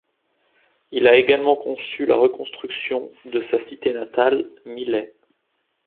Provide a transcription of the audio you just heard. Il a également conçu la reconstruction de sa cité natale, Milet.